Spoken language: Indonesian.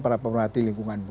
para pemerhati lingkungan ibu